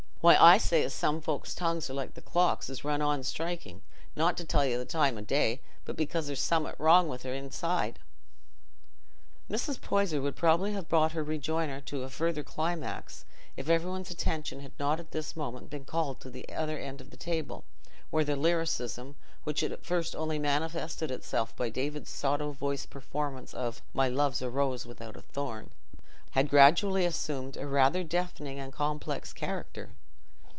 "Why, I say as some folks' tongues are like the clocks as run on strikin', not to tell you the time o' the day, but because there's summat wrong i' their own inside..." Mrs. Poyser would probably have brought her rejoinder to a further climax, if every one's attention had not at this moment been called to the other end of the table, where the lyricism, which had at first only manifested itself by David's sotto voce performance of "My love's a rose without a thorn," had gradually assumed a rather deafening and complex character.